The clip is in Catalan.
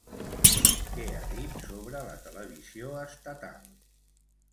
Què ha dit sobre la televisió estatal?